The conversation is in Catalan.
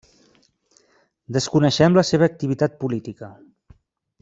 Desconeixem la seva activitat política.